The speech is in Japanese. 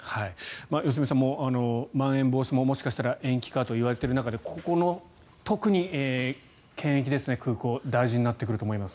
良純さん、まん延防止ももしかしたら延期かと言われている中でここの特に検疫ですね、空港大事になってくると思います。